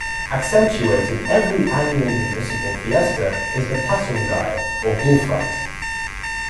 Accentuated every annual municipal fiesta is the "Pasungay" or bull fight.